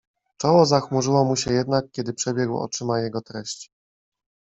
"Czoło zachmurzyło mu się jednak, kiedy przebiegł oczyma jego treść."